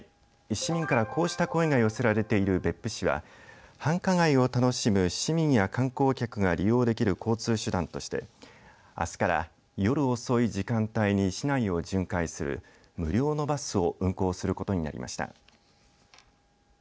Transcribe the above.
市民からこうした声が寄せられている別府市は繁華街を楽しむ市民や観光客が利用できる交通手段としてあすから夜遅い時間帯に市内を巡回する無料のバスを運行することになりました。